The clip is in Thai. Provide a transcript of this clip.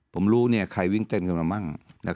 ผมรู้ใครวิ่งเต้นกันมามั่ง